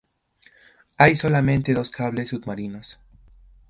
Hay solamente dos cables submarinos.